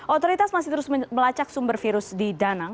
otoritas masih terus melacak sumber virus di danang